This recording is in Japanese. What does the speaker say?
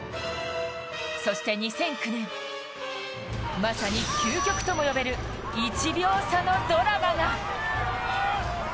そして２００９年、まさ究極とも呼べる１秒差のドラマが。